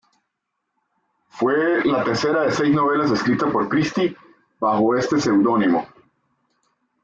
Fue la tercera de seis novelas escritas por Christie bajo este pseudónimo.